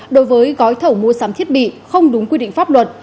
đối với gói thầu mua sắm thiết bị không đúng quy định pháp luật